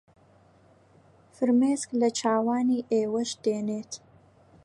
فرمێسک لە چاوانی ئێوەش دێنێت